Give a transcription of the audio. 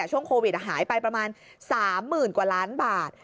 ช่วงโควิดหายไปประมาณ๓๐๐๐กว่าล้านบาท